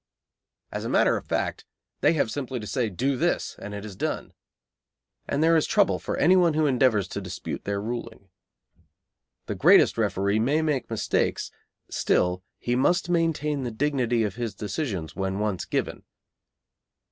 As a matter of fact, they have simply to say "Do this," and it is done; and there is trouble for anyone who endeavours to dispute their ruling. The greatest referee may make mistakes. Still, he must maintain the dignity of his decisions when once given.